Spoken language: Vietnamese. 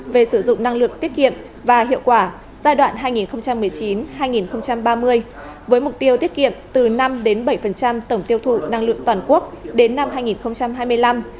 về sử dụng năng lượng tiết kiệm và hiệu quả giai đoạn hai nghìn một mươi chín hai nghìn ba mươi với mục tiêu tiết kiệm từ năm bảy tổng tiêu thụ năng lượng toàn quốc đến năm hai nghìn hai mươi năm